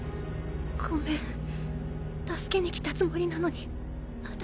ごめん助けに来たつもりなのに私。